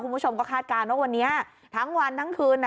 คุณผู้ชมก็คาดการณ์ว่าวันนี้ทั้งวันทั้งคืน